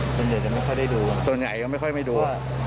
ส่วนใหญ่จะไม่ค่อยได้ดูส่วนใหญ่ก็ไม่ค่อยไม่ดู